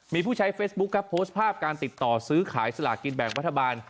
มีผู้ใช้เฟซบุ๊กโพสต์ภาพการติดต่อซื้อขายสลากกินแบบวัฒนาบาล